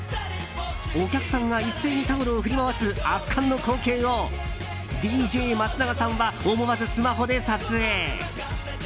お客さんが一斉にタオルを振り回す圧巻の光景をＤＪ松永さんは思わずスマホで撮影。